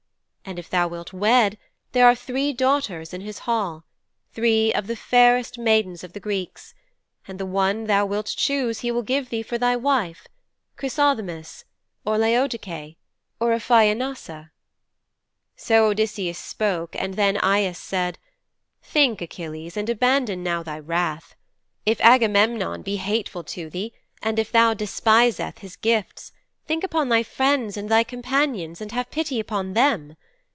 And if thou wilt wed there are three daughters in his hall three of the fairest maidens of the Greeks and the one thou wilt choose he will give thee for thy wife, Chrysothemis, or Laodike, or Iphianassa."' 'So Odysseus spoke and then Aias said, "Think, Achilles, and abandon now thy wrath. If Agamemnon be hateful to thee and if thou despiseth his gifts, think upon thy friends and thy companions and have pity upon them.